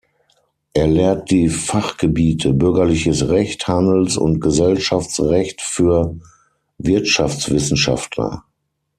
Er lehrt die Fachgebiete Bürgerliches Recht, Handels- und Gesellschaftsrecht für Wirtschaftswissenschaftler.